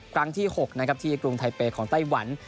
ครั้งที่๖นะครับที่กรุงไทเปย์ของไต้หวัน